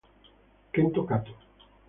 Kento Kato